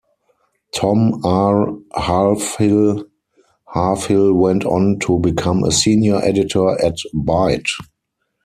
Tom R. Halfhill: Halfhill went on to become a senior editor at "Byte".